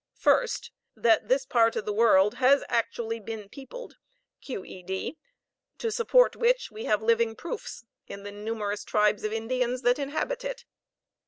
First, that this part of the world has actually been peopled (Q.E.D.) to support which we have living proofs in the numerous tribes of Indians that inhabit it.